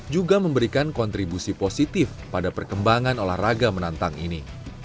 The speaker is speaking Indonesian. juga memberikan kontribusi positif pada perkembangan olahraga menantang ini